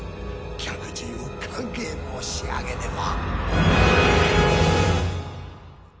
客人を歓迎申し上げねば